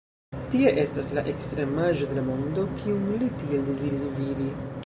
Tie estas la ekstremaĵo de la mondo, kiun li tiel deziris vidi.